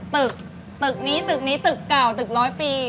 ตึกตึกนี้ตึกนี้ตึกเก่าตึกร้อยปี